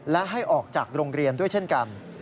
และให้ออกจากโรงเรียนด้วยเช่นกัน